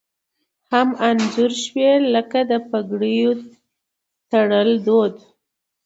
هم انځور شوي لکه د پګړیو تړل دود